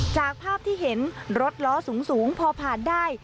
จากภาพที่เห็นรถล้อสูงพอผ่านได้